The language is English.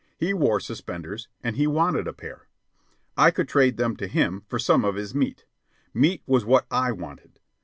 He wore suspenders, and he wanted a pair. I could trade them to him for some of his meat. Meat was what I wanted.